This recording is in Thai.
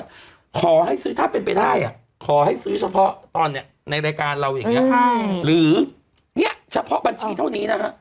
ขอให้ซื้อถ้าเป็นไปได้ขอให้ซื้อเฉพาะตอนนี้ในรายการเราอย่างนี้หรือเนี่ยเฉพาะบัญชีเท่านี้นะฮะ